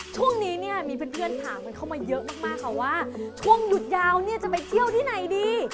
ช่วงนี้เนี่ยมีเพื่อนถามกันเข้ามาเยอะมากค่ะว่าช่วงหยุดยาวเนี่ยจะไปเที่ยวที่ไหนดี